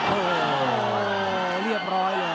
โอ้โหเรียบร้อยเลย